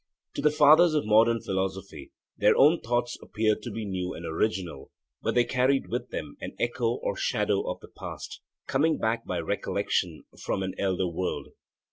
To the fathers of modern philosophy, their own thoughts appeared to be new and original, but they carried with them an echo or shadow of the past, coming back by recollection from an elder world.